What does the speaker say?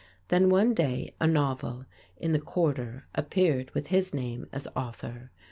Then one day a novel, "In the Quarter," appeared with his name as author.